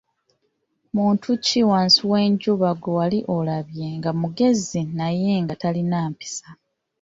Muntu ki wansi w'enjuba gwe wali olabye nga mugezi naye nga talina mpisa?